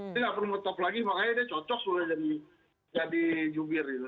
jadi nggak perlu ngetop lagi makanya dia cocok sudah jadi jubir gitu